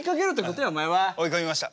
追い込みました。